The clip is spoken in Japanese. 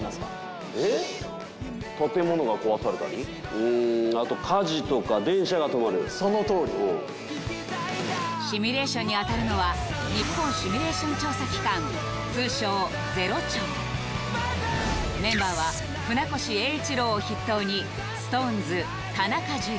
うんあとそのとおりシミュレーションに当たるのは日本シミュレーション調査機関通称ゼロ調メンバーは船越英一郎を筆頭にＳｉｘＴＯＮＥＳ田中樹